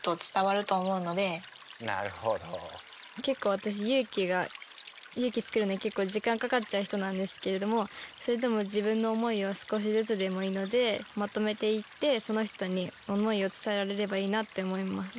結構私勇気が勇気つけるのに結構時間かかっちゃう人なんですけれどもそれでも自分の思いを少しずつでもいいのでまとめていってその人に思いを伝えられればいいなって思います。